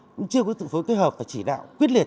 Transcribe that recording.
cũng chưa có sự phối kết hợp và chỉ đạo quyết liệt